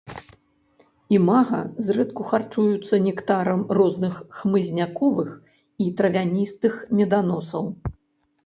Імага зрэдку харчуюцца нектарам розных хмызняковых і травяністых меданосаў.